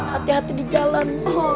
hati hati di jalan